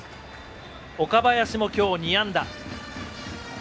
岡林も今日２安打。